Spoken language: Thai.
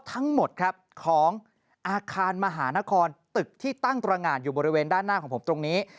อาคารมหานครตึกที่ตั้งตรงงานอยู่บริเวณด้านหน้าของผมตรงนี้